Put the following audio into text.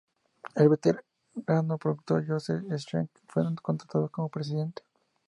El veterano productor Joseph Schenck fue contratado como presidente.